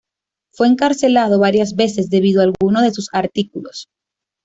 Fue encarcelado varias veces debido a alguno de sus artículos.